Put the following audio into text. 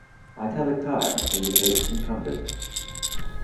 "Italic type" indicates incumbent.